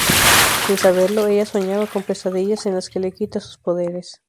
Sin saberlo, ella soñaba con pesadillas en las que le quita sus poderes.